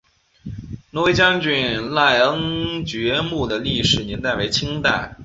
振威将军赖恩爵墓的历史年代为清代。